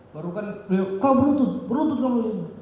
barukan beliau kau berutut berutut kau berutut